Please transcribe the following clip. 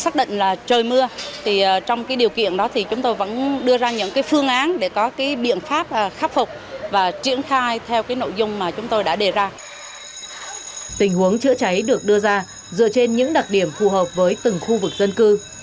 tình huống chữa cháy được đưa ra dựa trên những đặc điểm phù hợp với từng khu vực dân cư